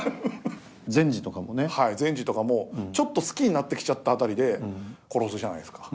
善児とかもちょっと好きになってきちゃった辺りで殺すじゃないですか。